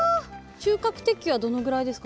収穫適期はどのぐらいですか？